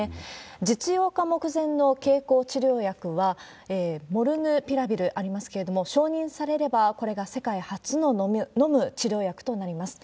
実用化目前の経口治療薬はモルヌピラビルありますけれども、承認されれば、これが世界初の飲む治療薬となります。